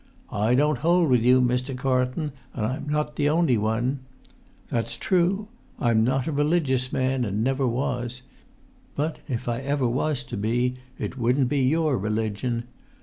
I don't hold with you, Mr. Carlton, and I'm not the only one. That's true—I'm not a religious man, and never was; but, if I ever was to be, it wouldn't be your religion.